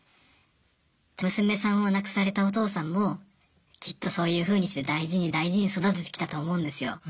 娘さんを亡くされたお父さんもきっとそういうふうにして大事に大事に育ててきたと思うんですよ。